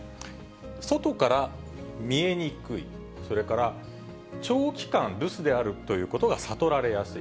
外から見えにくい、それから長期間留守であるということが悟られやすい。